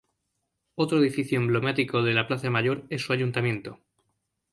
Otro edificio emblemático de la plaza Mayor es su Ayuntamiento.